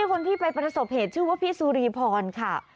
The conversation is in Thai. คนที่ไปประสบเหตุชื่อว่าพี่สุรีพรค่ะ